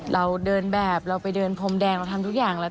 เราเดินแบบเราไปเดินพรมแดงเราทำทุกอย่างแล้ว